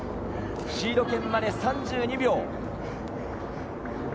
シード権まで３２秒。